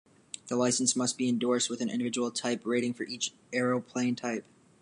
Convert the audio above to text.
The licence must be endorsed with an individual type rating for each aeroplane type.